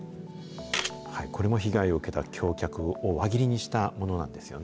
これも被害を受けた橋脚を輪切りにしたものなんですよね。